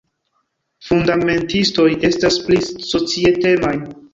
fundamentistoj estas pli societemaj.